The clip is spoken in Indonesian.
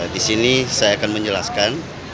disini saya akan menjelaskan